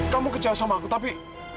kamu kerja sama aku tapi